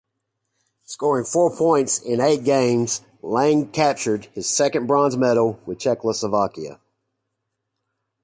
Scoring four points in eight games, Lang captured his second bronze medal with Czechoslovakia.